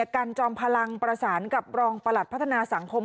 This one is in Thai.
กันจอมพลังประสานกับรองประหลัดพัฒนาสังคม